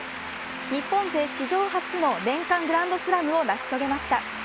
日本勢史上初の年間グランドスラム達成を成し遂げました。